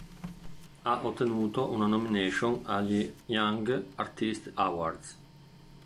Ha ottenuto una nomination agli Young Artist Awards.